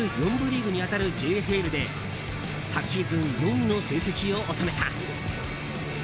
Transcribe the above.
４部リーグに当たるＪＦＬで昨シーズン４位の成績を収めた。